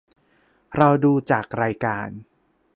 เราดูจากรายการ